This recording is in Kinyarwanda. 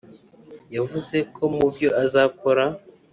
yavuze ko mu byo azakora